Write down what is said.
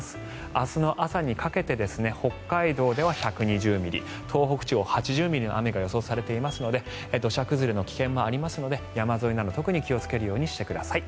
明日の朝にかけて北海道では１２０ミリ東北地方、８０ミリの雨が予想されていますので土砂崩れの危険もありますので山沿いなど特に気をつけるようにしてください。